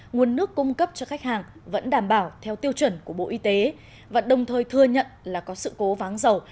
nguồn nước cung cấp cho khách hàng vẫn đảm bảo theo tiêu chuẩn của bộ y tế và đồng thời thừa nhận là có sự cố váng dầu